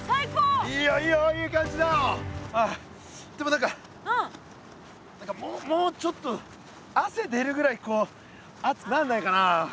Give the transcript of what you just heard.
何かもうちょっと汗出るぐらい熱くなんないかな。